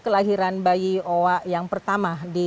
kelahiran bayi owa yang pertama di